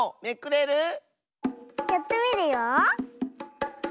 やってみるよ。